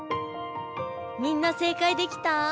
みんな正解できた？